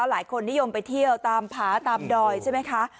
หลายคนนิยมไปเที่ยวตามผาตามดอยใช่ไหมคะ